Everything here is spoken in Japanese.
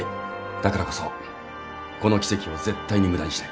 だからこそこの奇跡を絶対に無駄にしない。